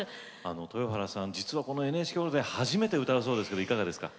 豊原さん実はこのＮＨＫホールで初めて歌うそうですけどいかがですか？